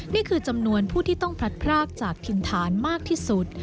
นี่คือจำนวนผู้ที่ต้องพลัดพรากจากถิ่นฐานมากที่สุด